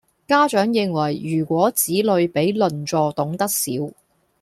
家長認為如果子女比鄰座懂得少